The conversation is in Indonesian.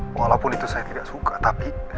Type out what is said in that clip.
walaupun itu saya tidak suka tapi